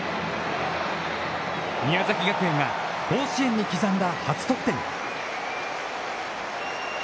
宮崎学園が甲子園に刻んだ初得点。